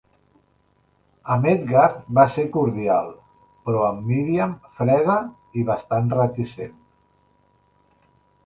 Amb Edgar va ser cordial, però amb Miriam freda i bastant reticent.